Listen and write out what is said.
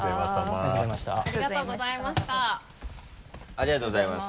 ありがとうございます。